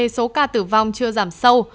và số ca tử vong chưa giảm sâu